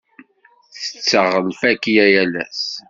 Tetteɣ lfakya yal ass.